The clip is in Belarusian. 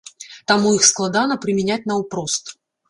Таму іх складана прымяняць наўпрост.